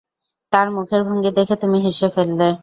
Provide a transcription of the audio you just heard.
তার মুখের ভঙ্গি দেখে তুমি হেসে ফেললে?